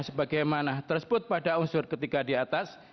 dan bagaimana tersebut pada unsur ketiga di atas